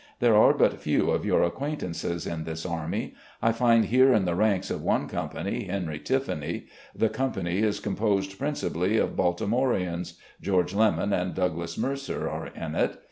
There are but few of yoTir acquaintances in this army. I find here in the ranks of one company Henry Tiffany. The company is composed principally of Baltimoreans — George Lemmon and Douglas Mercer are in it.